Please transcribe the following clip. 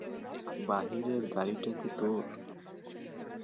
বাহিরের গাড়িটা কি তোর?